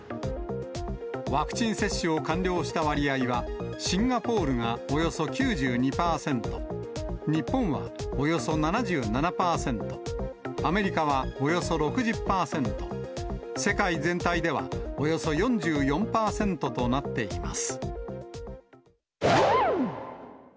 ワクチン接種を完了した割合はシンガポールがおよそ９２％、日本はおよそ７７％、アメリカはおよそ６０％、世界全体ではおよそ４４％となっています。